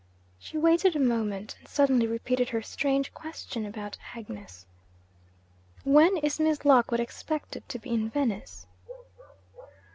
She waited a moment, and suddenly repeated her strange question about Agnes. 'When is Miss Lockwood expected to be in Venice?'